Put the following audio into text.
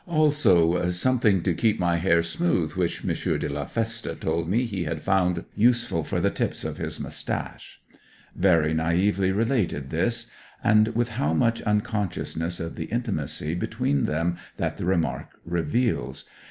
Also, 'Something to keep my hair smooth, which M. de la Feste told me he had found useful for the tips of his moustache.' Very naively related this; and with how much unconsciousness of the intimacy between them that the remark reveals!